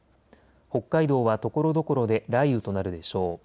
北海道はところどころで雷雨となるでしょう。